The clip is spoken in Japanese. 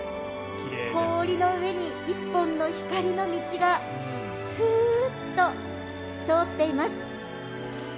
氷の上に１本の光の道がスーッと通っています。